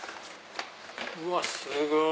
うわっすごい！